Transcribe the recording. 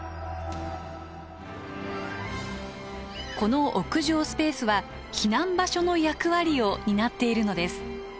この屋上スペースは避難場所の役割を担っているのです。